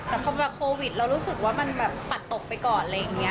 แต่พอมาโควิดเรารู้สึกว่ามันปัดตกไปก่อน